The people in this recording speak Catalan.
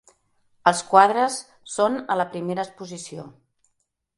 Els quadres són a la primera exposició.